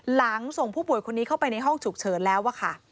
ส่งผู้ป่วยคนนี้เข้าไปในห้องฉุกเฉินแล้วค่ะ